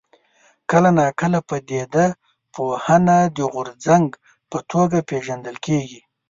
کله ناکله پدیده پوهنه د غورځنګ په توګه پېژندل کېږي.